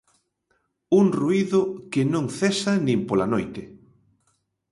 Un ruído que non cesa nin pola noite.